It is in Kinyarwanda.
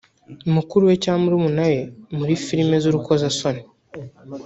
mukuru we cyangwa murumuna we muri filime z’urukozasoni